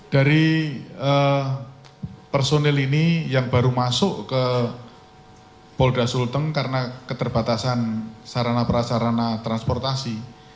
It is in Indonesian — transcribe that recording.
dari personil ini yang baru masuk ke polda sulteng karena keterbatasan sarana prasarana transportasi